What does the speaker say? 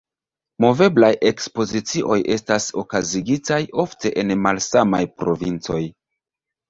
Moveblaj ekspozicioj estas okazigitaj ofte en malsamaj provincoj.